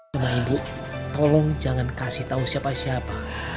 sama ibu tolong jangan kasih tau siapa siapa